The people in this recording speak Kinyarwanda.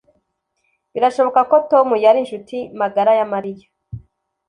Birashoboka ko Tom yari inshuti magara ya Mariya